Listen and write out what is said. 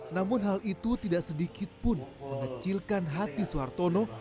namun hal itu tidak sedikit pun mengecilkan hati suhartono